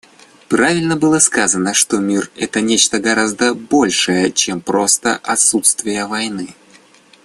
Правильно было сказано, что мир — это нечто гораздо большее, чем просто отсутствие войны.